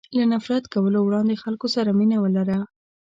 له نفرت کولو وړاندې خلکو سره مینه ولره.